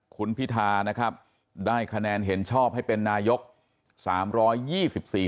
คุณพิธานะครับได้คะแนนเห็นชอบให้เป็นนายกรัฐมนตรี